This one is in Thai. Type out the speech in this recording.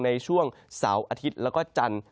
ในช่วงเสาร์อาทิตย์แล้วก็จันทร์